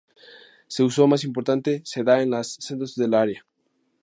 Su uso más importante se da en los centros al área.